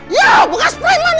ya bukan spreman